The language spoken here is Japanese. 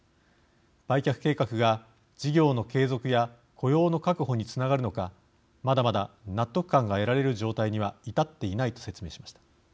売却計画が事業の継続や雇用の確保につながるのかまだまだ納得感が得られる状態には至っていないと説明しました。